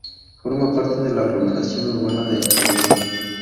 Forma parte de la aglomeración urbana de Aviñón.